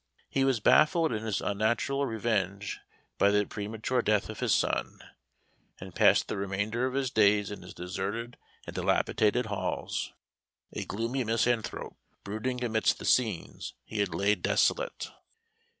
He was baffled in his unnatural revenge by the premature death of his son, and passed the remainder of his days in his deserted and dilapidated halls, a gloomy misanthrope, brooding amidst the scenes he had laid desolate.